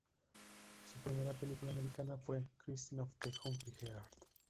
Su primera película americana fue "Christine of the Hungry Heart".